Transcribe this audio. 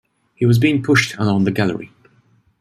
He was being pushed along the gallery.